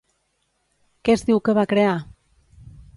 Què es diu que va crear?